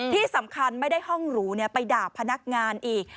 ที่สำคัญไม่ได้ห้องหรูไปด่าพนักงานอีก